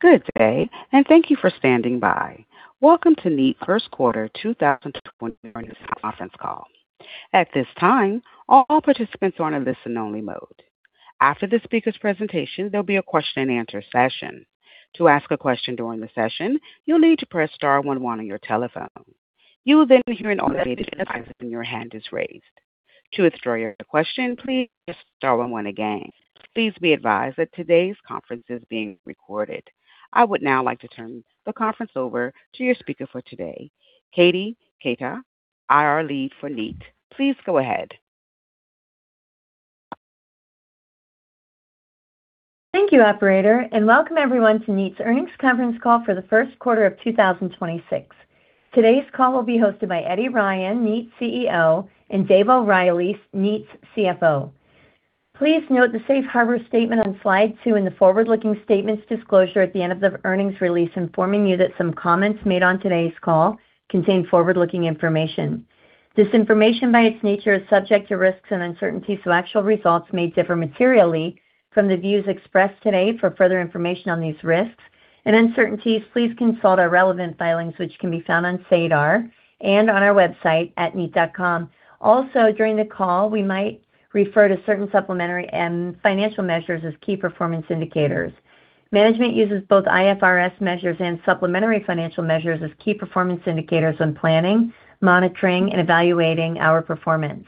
Good day, and thank you for standing by. Welcome to Kneat 1st quarter 2023 earnings conference call. At this time, all participants are in a listen-only mode. After the speaker's presentation, there'll be a question and answer session. I would now like to turn the conference over to your speaker for today, Katie Keita, IR Lead for Kneat. Please go ahead. Thank you, operator, and welcome everyone to Kneat's earnings conference call for the first quarter of 2026. Today's call will be hosted by Eddie Ryan, Kneat's CEO, and Dave O'Reilly, Kneat's CFO. Please note the Safe Harbor statement on slide 2 in the forward-looking statements disclosure at the end of the earnings release informing you that some comments made on today's call contain forward-looking information. This information, by its nature, is subject to risks and uncertainties, so actual results may differ materially from the views expressed today. For further information on these risks and uncertainties, please consult our relevant filings, which can be found on SEDAR and on our website at kneat.com. Also, during the call, we might refer to certain supplementary and financial measures as key performance indicators. Management uses both IFRS measures and supplementary financial measures as key performance indicators when planning, monitoring, and evaluating our performance.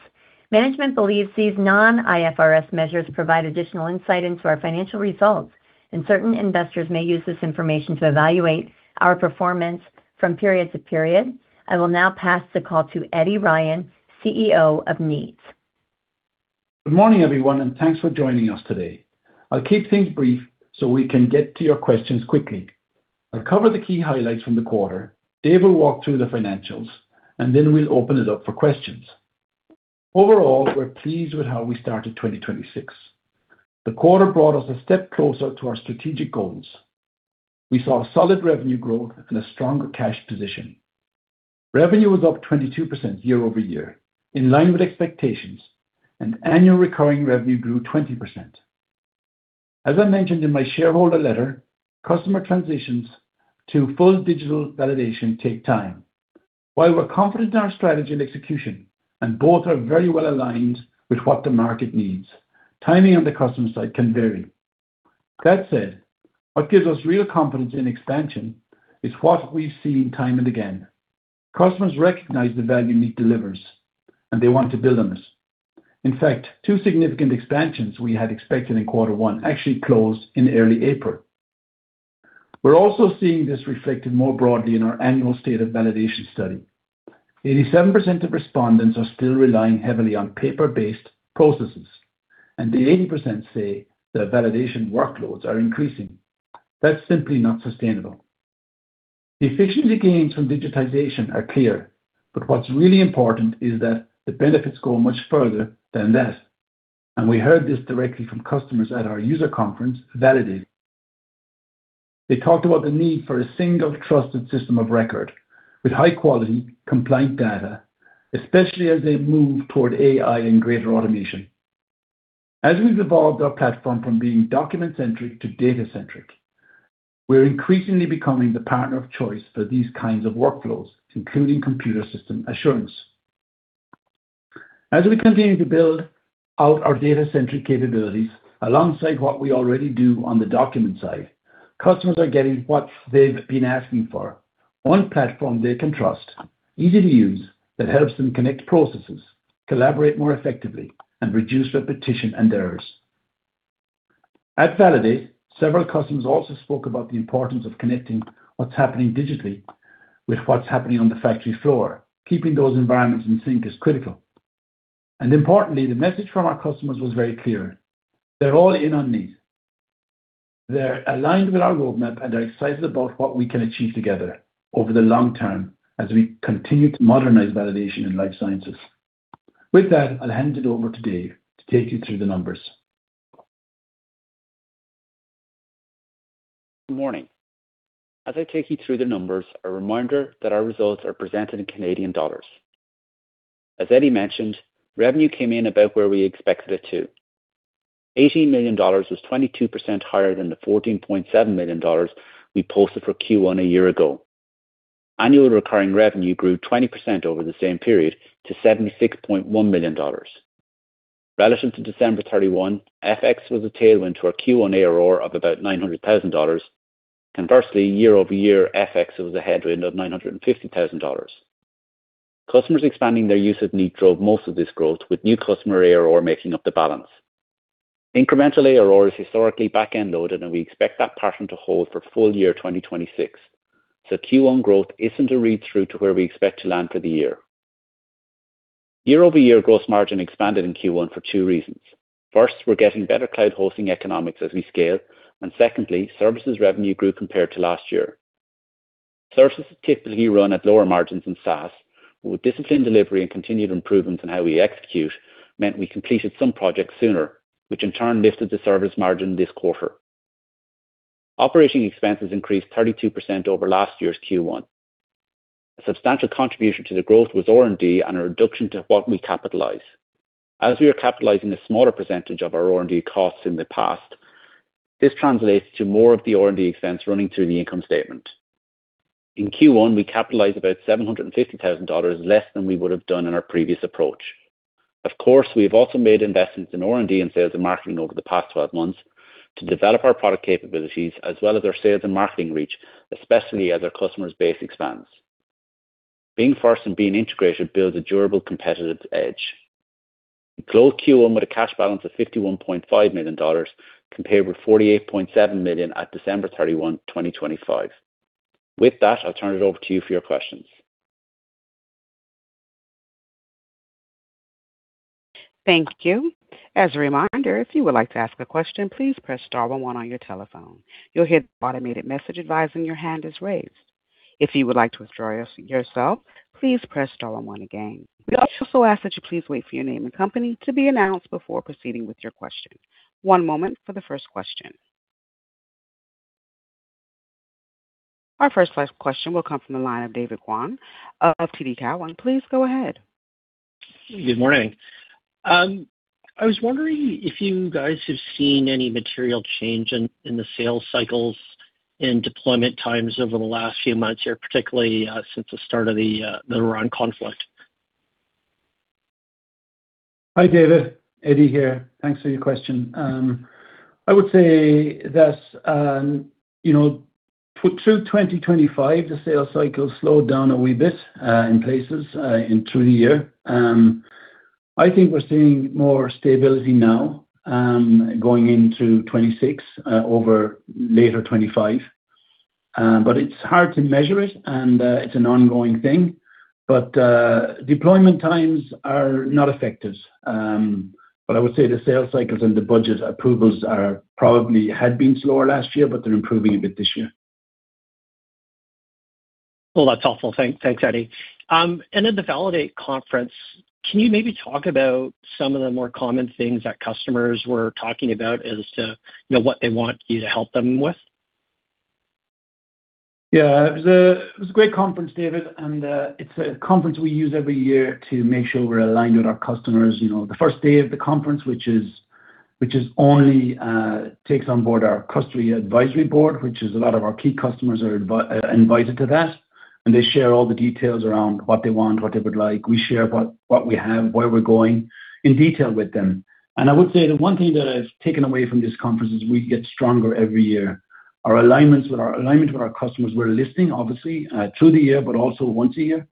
Management believes these non-IFRS measures provide additional insight into our financial results, and certain investors may use this information to evaluate our performance from period to period. I will now pass the call to Eddie Ryan, CEO of Kneat. Good morning, everyone, and thanks for joining us today. I'll keep things brief so we can get to your questions quickly. I'll cover the key highlights from the quarter. Dave will walk through the financials, and then we'll open it up for questions. Overall, we're pleased with how we started 2026. The quarter brought us a step closer to our strategic goals. We saw solid revenue growth and a stronger cash position. Revenue was up 22% year-over-year in line with expectations, and Annual Recurring Revenue grew 20%. As I mentioned in my shareholder letter, customer transitions to full Digital Validation take time. While we're confident in our strategy and execution, and both are very well-aligned with what the market needs, timing on the customer side can vary. That said, what gives us real confidence in expansion is what we've seen time and again. Customers recognize the value Kneat delivers, and they want to build on this. In fact, two significant expansions we had expected in quarter one actually closed in early April. We're also seeing this reflected more broadly in our annual State of Validation study. 87% of respondents are still relying heavily on paper-based processes, and 80% say their validation workloads are increasing. That's simply not sustainable. The efficiency gains from digitization are clear, but what's really important is that the benefits go much further than that. We heard this directly from customers at our user conference, VALIDATE. They talked about the need for a single trusted system of record with high-quality compliant data, especially as they move toward AI and greater automation. As we've evolved our platform from being document-centric to data-centric, we're increasingly becoming the partner of choice for these kinds of workflows, including Computer System Assurance. As we continue to build out our data-centric capabilities alongside what we already do on the document side, customers are getting what they've been asking for. one platform they can trust, easy to use, that helps them connect processes, collaborate more effectively, and reduce repetition and errors. At VALIDATE, several customers also spoke about the importance of connecting what's happening digitally with what's happening on the factory floor. Keeping those environments in sync is critical. Importantly, the message from our customers was very clear. They're all in on Kneat. They're aligned with our roadmap and are excited about what we can achieve together over the long term as we continue to modernize validation in life sciences. With that, I'll hand it over to Dave to take you through the numbers. Good morning. As I take you through the numbers, a reminder that our results are presented in Canadian dollars. As Eddie mentioned, revenue came in about where we expected it to. 80 million dollars was 22% higher than the 14.7 million dollars we posted for Q1 a year ago. Annual Recurring Revenue grew 20% over the same period to 76.1 million dollars. Relative to December 31, FX was a tailwind to our Q1 ARR of about 900,000 dollars. Conversely, year-over-year, FX was a headwind of 950,000 dollars. Customers expanding their use of Kneat drove most of this growth with new customer ARR making up the balance. Incremental ARR is historically back-end loaded, and we expect that pattern to hold for full year 2026. Q1 growth isn't a read-through to where we expect to land for the year. Year-over-year gross margin expanded in Q1 for two reasons. First, we're getting better cloud hosting economics as we scale. Secondly, services revenue grew compared to last year. Services typically run at lower margins than SaaS, but disciplined delivery and continued improvements in execution meant we completed some projects sooner, which in turn lifted the service margin this quarter. Operating expenses increased 32% over last year's Q1. A substantial contribution to the growth was R&D and a reduction to what we capitalize. As we are capitalizing a smaller percentage of our R&D costs in the past, this translates to more of the R&D expense running through the income statement. In Q1, we capitalized about 750,000 dollars less than we would have done in our previous approach. Of course, we have also made investments in R&D and sales and marketing over the past 12 months to develop our product capabilities as well as our sales and marketing reach, especially as our customer base expands. Being first and being integrated builds a durable competitive edge. We closed Q1 with a cash balance of 51.5 million dollars, compared with 48.7 million at December 31, 2025. With that, I'll turn it over to you for your questions. Thank you. As a reminder, if you would like to press star one one on your telephone on your telephone. You'll hear the automated message advising your hand is raised. If you would like to withdraw yourself, please press star 1 1 again. We also ask that you please wait for your name and company to be announced before proceeding with your question. One moment for the first question. Our first question will come from the line of David Kwan of TD Cowen. Please go ahead. Good morning. I was wondering if you guys have seen any material change in the sales cycles and deployment times over the last few months here, particularly, since the start of the Iran conflict? Hi, David. Eddie here. Thanks for your question. I would say that, you know, through 2025, the sales cycle slowed down a wee bit in places through the year. I think we're seeing more stability now going into 2026 over later 2025. It's hard to measure it and it's an ongoing thing, but deployment times are not affected. I would say the sales cycles and the budget approvals are probably had been slower last year, but they're improving a bit this year. Well, that's helpful. Thanks, Eddie. At the VALIDATE conference, can you maybe talk about some of the more common things that customers were talking about as to, you know, what they want you to help them with? Yeah. It was a great conference, David. It's a conference we use every year to make sure we're aligned with our customers. You know, the first day of the conference takes on board our customer advisory board, which is a lot of our key customers are invited to that. They share all the details around what they want, what they would like. We share what we have, where we're going in detail with them. I would say the one thing that I've taken away from this conference is we get stronger every year. Our alignment with our customers, we're listening obviously through the year but also once a year.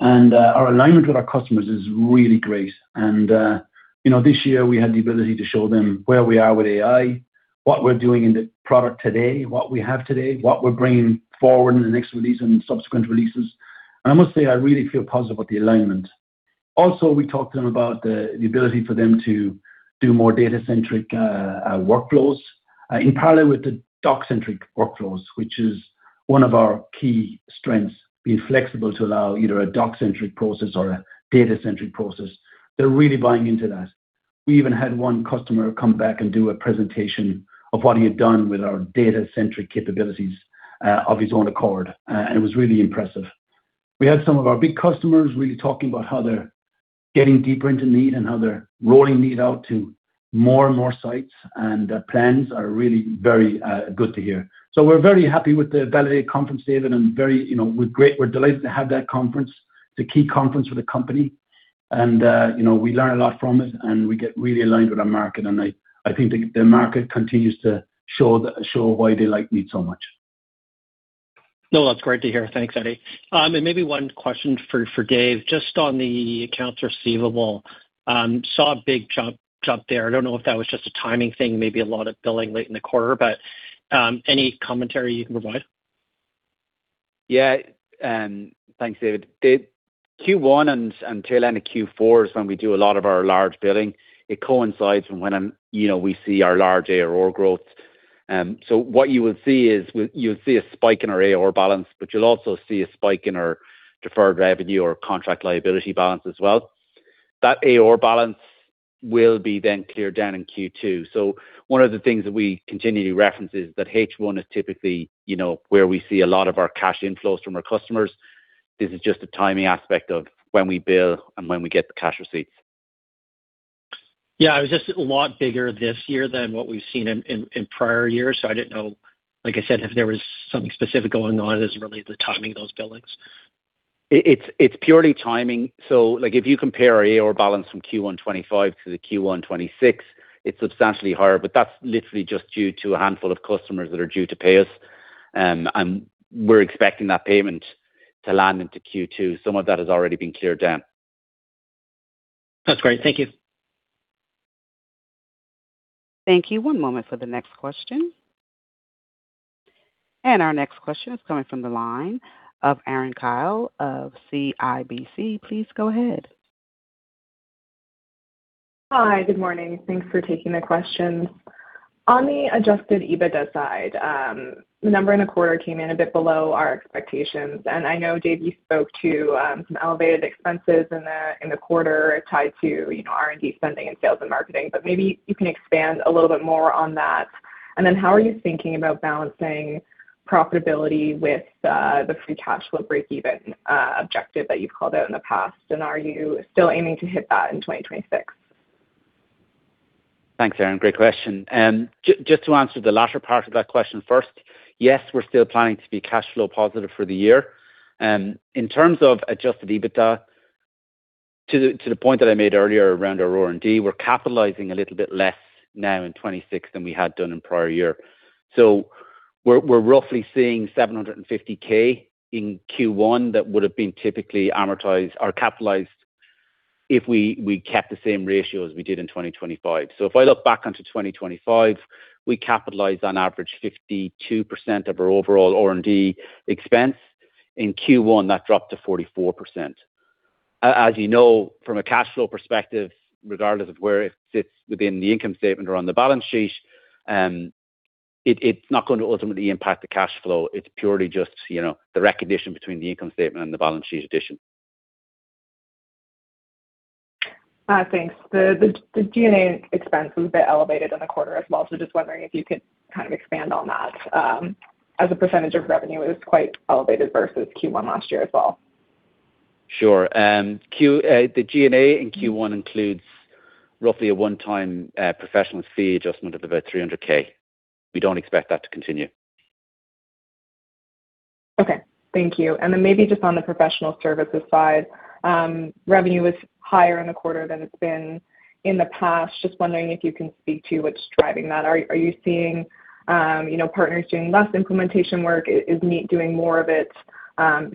Our alignment with our customers is really great. You know, this year we had the ability to show them where we are with AI, what we're doing in the product today, what we have today, what we're bringing forward in the next release and subsequent releases. I must say, I really feel positive about the alignment. Also, we talked to them about the ability for them to do more data-centric workflows in parallel with the doc-centric workflows, which is one of our key strengths, being flexible to allow either a doc-centric process or a data-centric process. They're really buying into that. We even had one customer come back and do a presentation of what he had done with our data-centric capabilities of his own accord. It was really impressive. We had some of our big customers really talking about how they're getting deeper into Kneat and how they're rolling Kneat out to more and more sites. The plans are really very good to hear. We're very happy with the VALIDATE conference, David Kwan, and very, you know, we're delighted to have that conference, the key conference for the company. You know, we learn a lot from it. We get really aligned with our market. I think the market continues to show why they like Kneat so much. No, that's great to hear. Thanks, Eddie. Maybe one question for Dave, just on the accounts receivable. Saw a big jump there. I don't know if that was just a timing thing, maybe a lot of billing late in the quarter, but any commentary you can provide? Yeah. Thanks, David. The Q1 and tail end of Q4 is when we do a lot of our large billing. It coincides with when, you know, we see our large AR growth. What you will see is you'll see a spike in our AR balance, but you'll also see a spike in our deferred revenue or contract liability balance as well. That AR balance will be then cleared down in Q2. One of the things that we continually reference is that H1 is typically, you know, where we see a lot of our cash inflows from our customers. This is just a timing aspect of when we bill and when we get the cash receipts. Yeah. It was just a lot bigger this year than what we've seen in prior years. I didn't know, like I said, if there was something specific going on as it relates to timing those billings. It's purely timing. Like, if you compare our AR balance from Q1 2025 to the Q1 2026, it's substantially higher, but that's literally just due to a handful of customers that are due to pay us. We're expecting that payment to land into Q2. Some of that has already been cleared down. That's great. Thank you. Thank you. One moment for the next question. Our next question is coming from the line of Erin Kyle of CIBC. Please go ahead. Hi. Good morning. Thanks for taking the questions. On the adjusted EBITDA side, the number in the quarter came in a bit below our expectations. I know, Dave, you spoke to some elevated expenses in the quarter tied to, you know, R&D spending and sales and marketing, but maybe you can expand a little bit more on that. How are you thinking about balancing profitability with the free cash flow breakeven objective that you've called out in the past? Are you still aiming to hit that in 2026? Thanks, Erin. Great question. Just to answer the latter part of that question first. Yes, we're still planning to be cash flow positive for the year. In terms of adjusted EBITDA, to the point that I made earlier around our R&D, we're capitalizing a little bit less now in 2026 than we had done in prior year. We're roughly seeing 750K in Q1 that would have been typically amortized or capitalized if we kept the same ratio as we did in 2025. If I look back onto 2025, we capitalized, on average, 52% of our overall R&D expense. In Q1, that dropped to 44%. As you know, from a cash flow perspective, regardless of where it sits within the income statement or on the balance sheet, it's not going to ultimately impact the cash flow. It's purely just, you know, the recognition between the income statement and the balance sheet addition. Thanks. The G&A expense was a bit elevated in the quarter as well. Just wondering if you could kind of expand on that. As a percentage of revenue, it was quite elevated versus Q1 last year as well. Sure. The G&A in Q1 includes roughly a one-time professional fee adjustment of about 300 thousand. We don't expect that to continue. Okay. Thank you. Maybe just on the professional services side, revenue was higher in the quarter than it's been in the past. Just wondering if you can speak to what's driving that. Are you seeing, you know, partners doing less implementation work? Is Kneat doing more of it?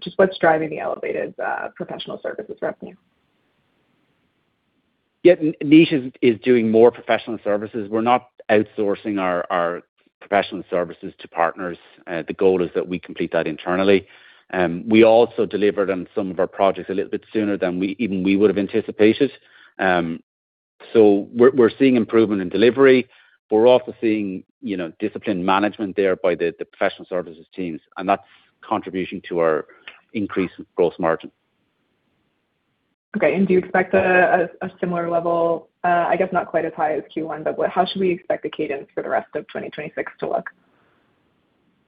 Just what's driving the elevated professional services revenue? Yeah. Kneat is doing more professional services. We're not outsourcing our professional services to partners. The goal is that we complete that internally. We also delivered on some of our projects a little bit sooner than even we would have anticipated. We're seeing improvement in delivery. We're also seeing, you know, disciplined management there by the professional services teams, and that's contribution to our increased gross margin. Okay. Do you expect a similar level, I guess not quite as high as Q1, but how should we expect the cadence for the rest of 2026 to look?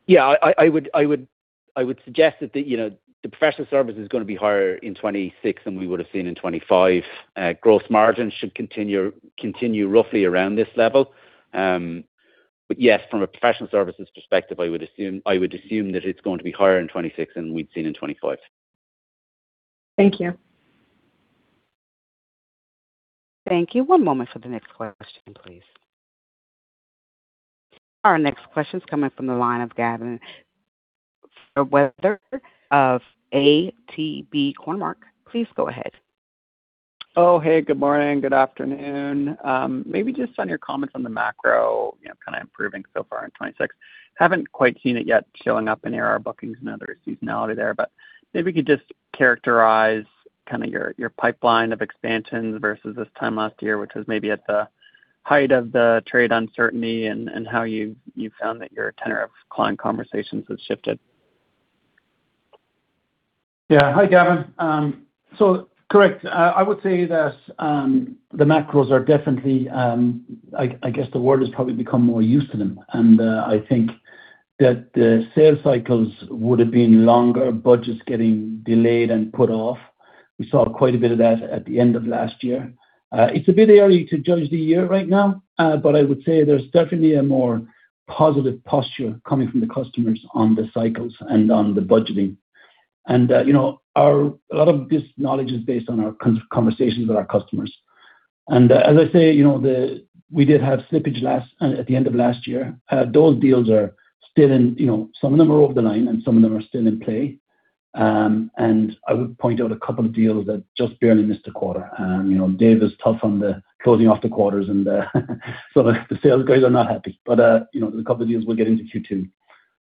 Yeah. I would suggest that the, you know, the professional service is gonna be higher in 26 than we would have seen in 25. Gross margins should continue roughly around this level. Yes, from a professional services perspective, I would assume that it's going to be higher in 26 than we'd seen in 25. Thank you. Thank you. One moment for the next question, please. Our next question is coming from the line of Gavin Fairweather of ATB Capital Markets. Please go ahead. Oh, hey, good morning, good afternoon. Maybe just on your comments on the macro, you know, kind of improving so far in 2026. Haven't quite seen it yet showing up in ARR bookings and other seasonality there. Maybe you could just characterize kind of your pipeline of expansions versus this time last year, which was maybe at the height of the trade uncertainty and how you found that your tenor of client conversations have shifted. Yeah. Hi, Gavin. Correct. I would say that the macros are definitely I guess the world has probably become more used to them. I think that the sales cycles would have been longer, budgets getting delayed and put off. We saw quite a bit of that at the end of last year. It's a bit early to judge the year right now, but I would say there's definitely a more positive posture coming from the customers on the cycles and on the budgeting. You know, a lot of this knowledge is based on our conversations with our customers. As I say, you know, we did have slippage at the end of last year. Those deals are still in, you know, some of them are over the line, and some of them are still in play. I would point out 2 deals that just barely missed a quarter. You know, Dave is tough on the closing off the quarters, the sales guys are not happy. You know, [inaudable].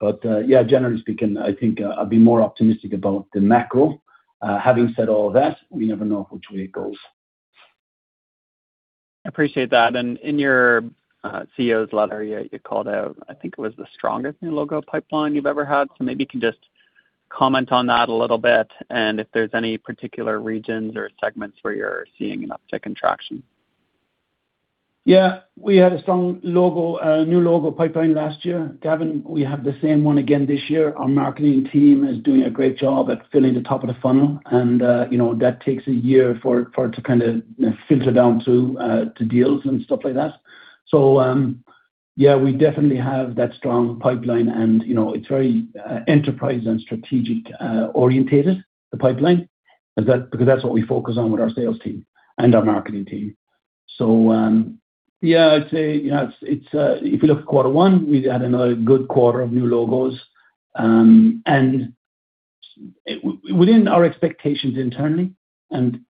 Yeah, generally speaking, I think I'd be more optimistic about the macro. Having said all that, we never know which way it goes. I appreciate that. In your CEO's letter, you called out, I think it was the strongest new logo pipeline you've ever had. Maybe you can just comment on that a little bit and if there's any particular regions or segments where you're seeing an uptick in traction. Yeah. We had a strong new logo pipeline last year, Gavin. We have the same one again this year. Our marketing team is doing a great job at filling the top of the funnel, and you know, that takes a year for it to kind of filter down to deals and stuff like that. Yeah, we definitely have that strong pipeline, and you know, it's very enterprise and strategic oriented, the pipeline, because that's what we focus on with our sales team and our marketing team. Yeah, I'd say, you know, it's, if you look at quarter 1, we've had another good quarter of new logos, and within our expectations internally, and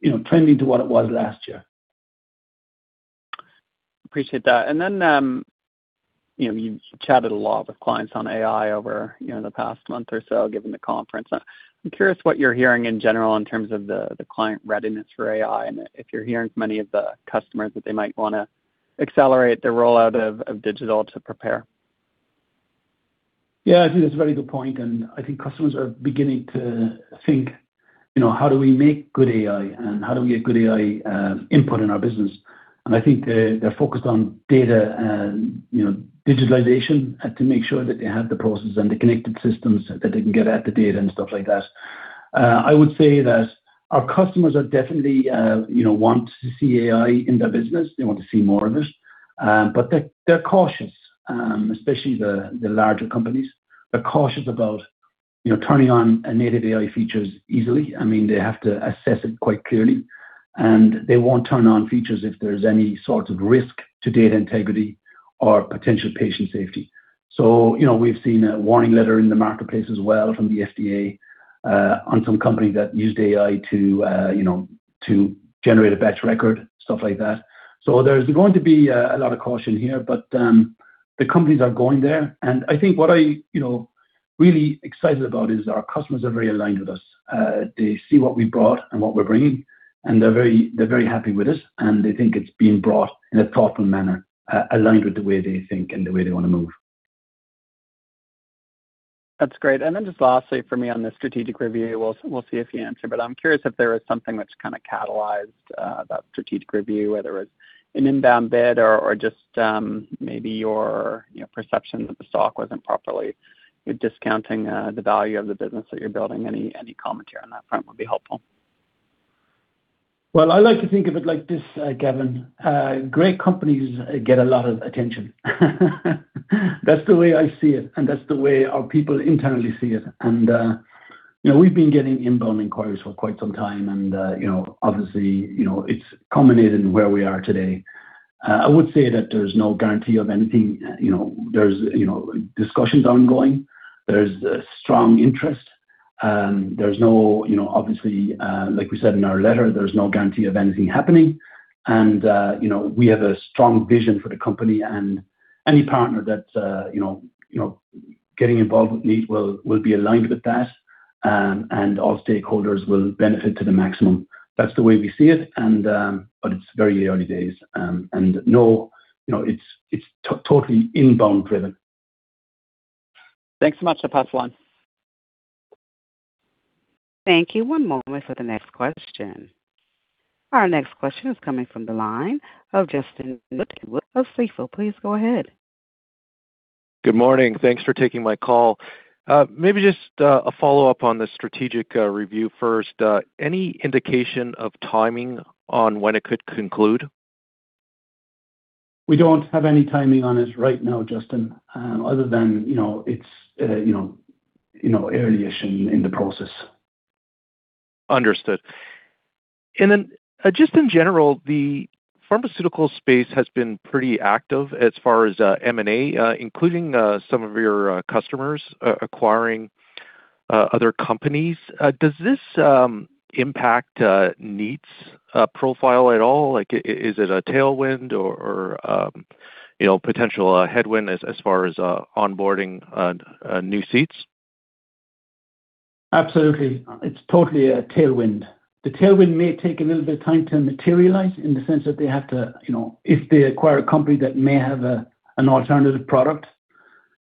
you know, trending to what it was last year. Appreciate that. You know, you chatted a lot with clients on AI over, you know, the past month or so, given the conference. I'm curious what you're hearing in general in terms of the client readiness for AI and if you're hearing from any of the customers that they might wanna accelerate the rollout of digital to prepare? Yeah, I think that's a very good point. I think customers are beginning to think, you know, how do we make good AI and how do we get good AI input in our business? I think they're focused on data and, you know, digitalization to make sure that they have the process and the connected systems that they can get at the data and stuff like that. I would say that our customers are definitely, you know, want to see AI in their business. They want to see more of it. They're cautious, especially the larger companies. They're cautious about, you know, turning on a native AI features easily. I mean, they have to assess it quite clearly. They won't turn on features if there's any sort of risk to data integrity or potential patient safety. You know, we've seen a warning letter in the marketplace as well from the FDA on some company that used AI to, you know, to generate a batch record, stuff like that. There's going to be a lot of caution here, but the companies are going there. I think what I, you know, really excited about is our customers are very aligned with us. They see what we brought and what we're bringing, and they're very happy with us and they think it's being brought in a thoughtful manner, aligned with the way they think and the way they wanna move. That's great. Just lastly for me on the strategic review, we'll see if you answer, but I'm curious if there was something which kind of catalyzed that strategic review, whether it was an inbound bid or just, maybe your, you know, perception that the stock wasn't properly discounting the value of the business that you're building. Any commentary on that front would be helpful. Well, I like to think of it like this, Gavin. Great companies get a lot of attention. That's the way I see it, and that's the way our people internally see it. You know, we've been getting inbound inquiries for quite some time and, you know, obviously, you know, it's culminated in where we are today. I would say that there's no guarantee of anything. You know, there's, you know, discussions ongoing. There's strong interest. There's no, you know, obviously, like we said in our letter, there's no guarantee of anything happening. You know, we have a strong vision for the company and any partner that, you know, getting involved with Kneat will be aligned with that, and all stakeholders will benefit to the maximum. That's the way we see it and, but it's very early days. No, you know, it's totally inbound driven. Thanks so much. I'll pass the line. Thank you. One moment for the next question. Our next question is coming from the line of Justin Keywood of Stifel. Please go ahead. Good morning. Thanks for taking my call. Maybe just a follow-up on the strategic review first. Any indication of timing on when it could conclude? We don't have any timing on this right now, Justin, other than, you know, it's, you know, early-ish in the process. Understood. Just in general, the pharmaceutical space has been pretty active as far as M&A, including some of your customers acquiring other companies. Does this impact Kneat's profile at all? Is it a tailwind or, you know, potential headwind as far as onboarding new seats? Absolutely. It's totally a tailwind. The tailwind may take a little bit of time to materialize in the sense that they have to, you know, if they acquire a company that may have an alternative product,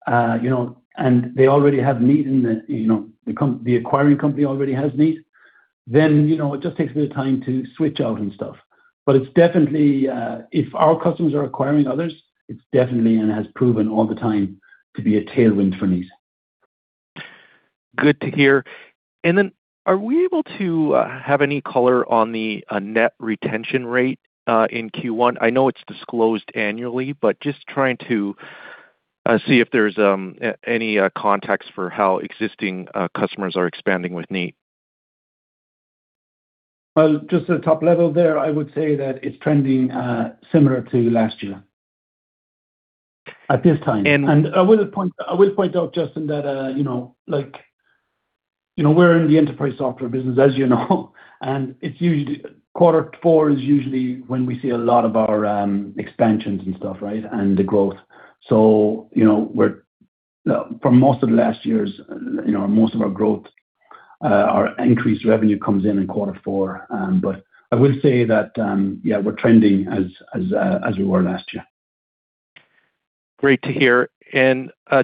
you know, and they already have Kneat in the acquiring company already has Kneat, then it just takes a bit of time to switch out and stuff. It's definitely, if our customers are acquiring others, it's definitely and has proven all the time to be a tailwind for Kneat. Good to hear. Are we able to have any color on the Net Retention Rate in Q1? I know it's disclosed annually, but just trying to see if there's any context for how existing customers are expanding with Kneat. Just at a top level there, I would say that it's trending, similar to last year at this time. And- I will point out, Justin, that, you know, like, you know, we're in the enterprise software business, as you know, and it's usually there are two deals we'll get into Q2 is usually when we see a lot of our expansions and stuff, right? The growth. You know, for most of last year's, you know, most of our growth, our increased revenue comes in Q4. I will say that, yeah, we're trending as we were last year. Great to hear.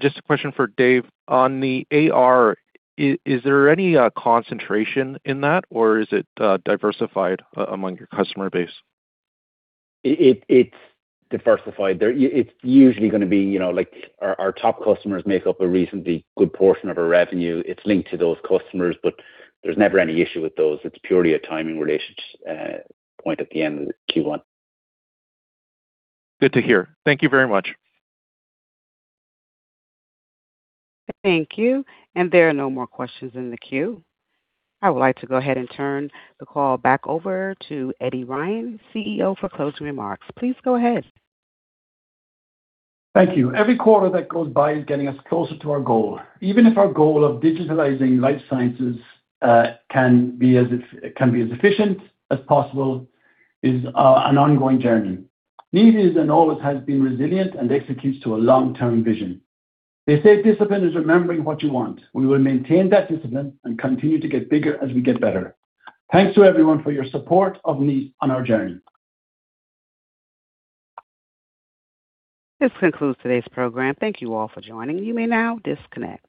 Just a question for Dave. On the ARR, is there any concentration in that, or is it diversified among your customer base? It's diversified. It's usually going to be, you know, like our top customers make up a reasonably good portion of our revenue. It's linked to those customers, there's never any issue with those. It's purely a timing relations point at the end of Q1. Good to hear. Thank you very much. Thank you. There are no more questions in the queue. I would like to go ahead and turn the call back over to Eddie Ryan, CEO, for closing remarks. Please go ahead. Thank you. Every quarter that goes by is getting us closer to our goal. Even if our goal of digitalizing life sciences, can be as efficient as possible is an ongoing journey. Kneat is and always has been resilient and executes to a long-term vision. They say discipline is remembering what you want. We will maintain that discipline and continue to get bigger as we get better. Thanks to everyone for your support of Kneat on our journey. This concludes today's program. Thank you all for joining. You may now disconnect.